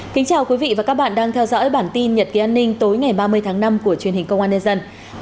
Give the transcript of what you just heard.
chào mừng quý vị đến với bản tin nhật ký an ninh tối ngày ba mươi tháng năm của truyền hình công an nhân dân